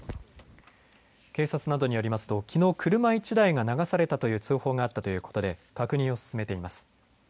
警察などによりますときのう車１台が流されたという通報があったということで確認を進めています。